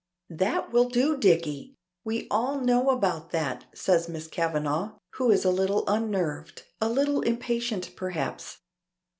"That will do, Dicky! We all know about that," says Miss Kavanagh, who is a little unnerved, a little impatient perhaps.